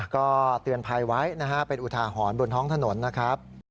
ก็เตือนภัยไว้นะฮะเป็นอุทาหรณ์บนท้องถนนนะครับ